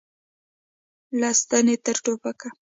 له ستنې تر ټوپکه.